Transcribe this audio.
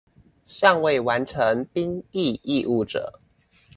尚未完成兵役義務者